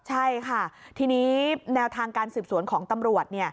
ใช่ค่ะทีนี้แนวทางการสืบสวนของตำรวจ